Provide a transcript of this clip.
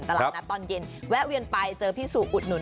ตลาดนัดตอนเย็นแวะเวียนไปเจอพี่สู่อุดหนุน